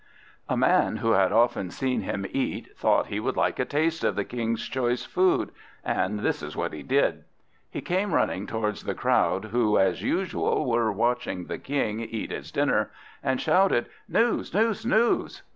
A man who had often seen him eat thought he would like a taste of the King's choice food. And this is what he did. He came running towards the crowd who, as usual, were watching the King eat his dinner, and shouted: "News! news! news!"